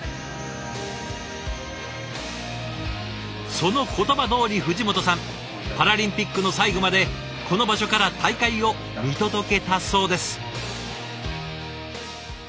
その言葉どおり藤本さんパラリンピックの最後までこの場所から大会を見届けたそうです。